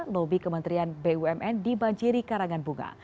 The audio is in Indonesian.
lobi kementerian bumn dibanjiri karangan bunga